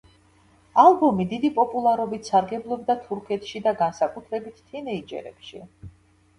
ალბომი დიდი პოპულარობით სარგებლობდა თურქეთში და განსაკუთრებით თინეიჯერებში.